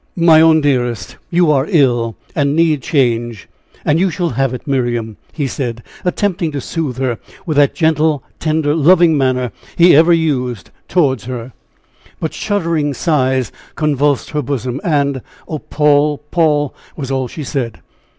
"My own dearest, you are ill, and need change, and you shall have it, Miriam," he said, attempting to soothe her with that gentle, tender, loving manner he ever used toward her. But shuddering sighs convulsed her bosom, and "Oh, Paul! Paul!" was all she said.